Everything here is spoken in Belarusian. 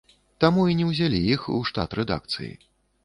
Таму і не ўзялі іх у штат рэдакцыі.